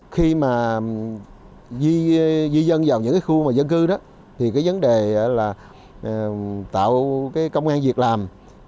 khi mà di dân vào những khu mà dân cư đó thì cái vấn đề là tạo công an việc làm